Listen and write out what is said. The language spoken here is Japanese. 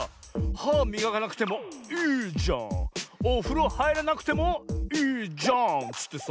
はみがかなくてもいいじゃんおふろはいらなくてもいいじゃんっつってさ。